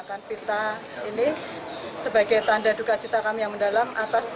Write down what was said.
akan pita ini sebagai tanda duka cita kami yang mendalam atas